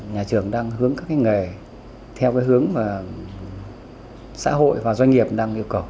nhà trường đang hướng các nghề theo hướng xã hội và doanh nghiệp đang yêu cầu